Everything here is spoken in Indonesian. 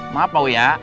maaf pak wuyak